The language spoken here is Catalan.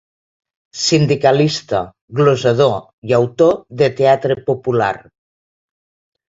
Sindicalista, glosador i autor de teatre popular.